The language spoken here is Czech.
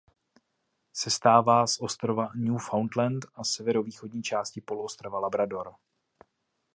Sestává z ostrova Newfoundland a severovýchodní části poloostrova Labrador.